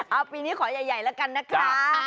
เอาปีนี้ขอใหญ่แล้วกันนะคะ